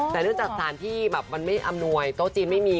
แต่เนื่องจากสารที่แบบมันไม่อำนวยโต๊ะจีนไม่มี